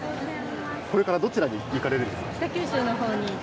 これからどちらに行かれるんですか。